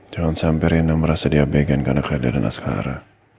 jangan sampai reina merasa dia began karena kak dada dan askara